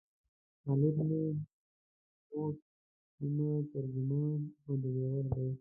خالد مې نیمه لارښود، نیمه ترجمان او ډریور دی.